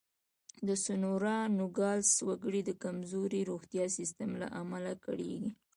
د سونورا نوګالس وګړي د کمزوري روغتیايي سیستم له امله کړېږي.